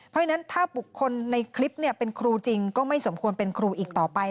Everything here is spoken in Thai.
เพราะฉะนั้นถ้าบุคคลในคลิปเป็นครูจริงก็ไม่สมควรเป็นครูอีกต่อไป